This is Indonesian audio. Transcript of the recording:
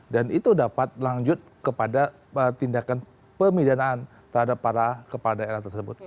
itu dapat lanjut kepada tindakan pemidanaan terhadap para kepala daerah tersebut